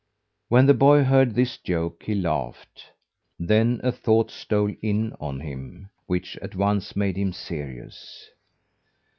When the boy heard this joke, he laughed; then a thought stole in on him which at once made him serious.